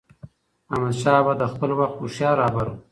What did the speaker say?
احمدشاه بابا د خپل وخت هوښیار رهبر و.